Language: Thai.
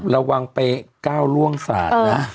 เราวางไป๙ร่วงสารนะ